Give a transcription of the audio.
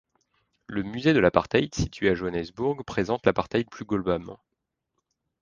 Le Musée de l'apartheid, situé à Johannesburg, présente l'apartheid plus globalement.